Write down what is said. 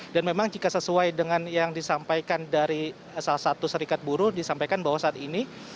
dan memang jika sesuai dengan yang disampaikan dari salah satu serikat buruh disampaikan bahwa saat ini